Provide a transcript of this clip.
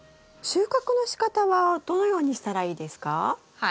収穫のしかたはどのようにしたらいいですか？